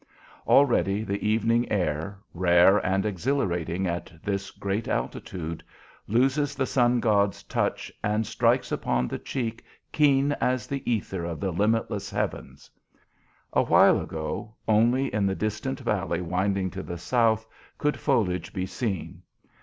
Already the evening air, rare and exhilarating at this great altitude, loses the sun god's touch and strikes upon the cheek keen as the ether of the limitless heavens. A while ago, only in the distant valley winding to the south could foliage be seen.